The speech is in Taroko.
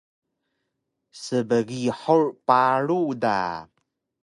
Sbgihur paru da